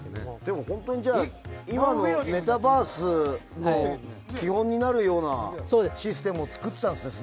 今のメタバースの基本になるようなシステムを作ってたんですね。